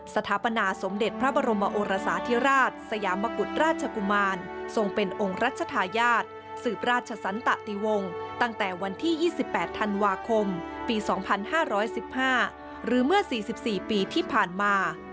สถาปนาสมเด็จพระบรมโอรสาธิราชสยามกุฎราชกุมารทรงเป็นองค์รัชธาญาติสืบราชสันตะติวงตั้งแต่วันที่๒๘ธันวาคมปี๒๕๑๕หรือเมื่อ๔๔ปีที่ผ่านมา